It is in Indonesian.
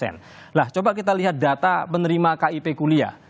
nah coba kita lihat data penerima kip kuliah